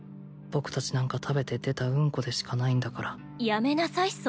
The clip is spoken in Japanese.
僕達なんか食べて出たうんこでしかないんだからやめなさい